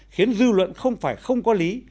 khiến dư luận không phải không có lý